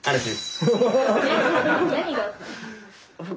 何があったの？